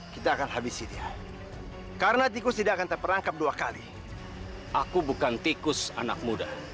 kita akan habisi dia karena tikus tidak akan terperangkap dua kali aku bukan tikus anak muda